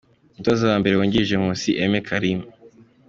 Umutoza wa mbere wungirije:Nkusi Aime Karim.